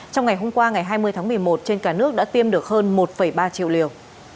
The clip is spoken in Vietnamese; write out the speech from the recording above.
trong ngày hôm qua ngày hai mươi tháng một mươi một trên cả nước đã tiêm được hơn một ba triệu liều